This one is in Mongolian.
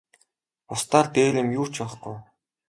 Бусдаар дээр юм юу ч байхгүй.